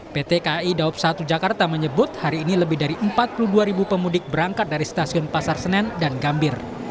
pt kai daob satu jakarta menyebut hari ini lebih dari empat puluh dua ribu pemudik berangkat dari stasiun pasar senen dan gambir